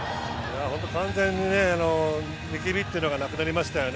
完全に力みというのがなくなりましたよね。